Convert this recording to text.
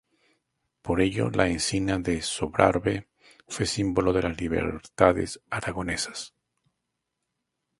Por ello, la encina de Sobrarbe fue símbolo de las libertades aragonesas.